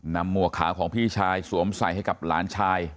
หมวกขาของพี่ชายสวมใส่ให้กับหลานชาย